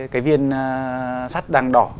cái viên sắt đang đỏ